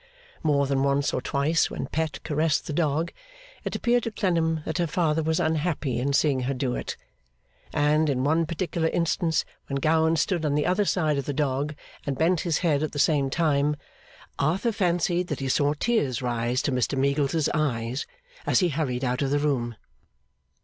More than once or twice when Pet caressed the dog, it appeared to Clennam that her father was unhappy in seeing her do it; and, in one particular instance when Gowan stood on the other side of the dog, and bent his head at the same time, Arthur fancied that he saw tears rise to Mr Meagles's eyes as he hurried out of the room.